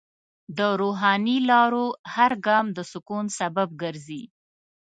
د روحاني لارو هر ګام د سکون سبب ګرځي.